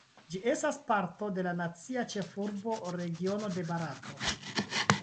Ĝi estas parto de la Nacia Ĉefurba Regiono de Barato.